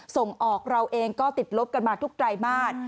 ส่งออกเราเองก็ติดลบกันมาทุกไตรมาส